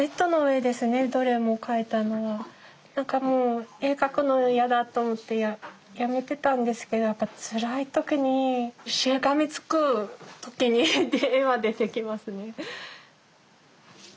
何かもう絵描くのは嫌だと思ってやめてたんですけどつらい時にしがみつく時に絵は出てきますね。